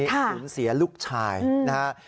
ศูนย์เสียลูกชายนะครับ